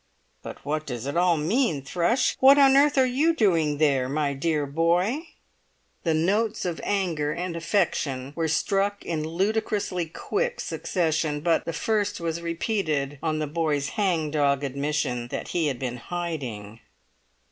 "But what does it all mean, Thrush? What on earth were you doing there, my dear boy?" The notes of anger and affection were struck in ludicrously quick succession; but the first was repeated on the boy's hang dog admission that he had been hiding.